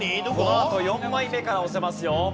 このあと４枚目から押せますよ。